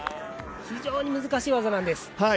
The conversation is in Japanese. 非常に難しい技なんです。